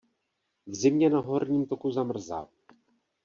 V zimě na horním toku zamrzá.